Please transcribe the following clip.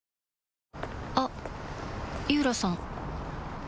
あっ井浦さん